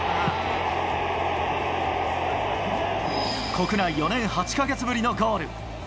国内４年８か月ぶりのゴール。